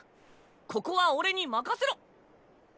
ここは俺に任せろ。